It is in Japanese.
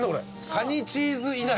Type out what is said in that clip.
カニチーズいなり。